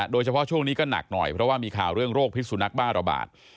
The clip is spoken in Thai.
โดยเฉพาะช่วงนี้ก็หนักหน่อยเพราะว่ามีข่าวเรื่องโรคพิษสุนักบ้าระบาด